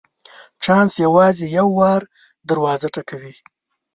چانس یوازي یو وار دروازه ټکوي .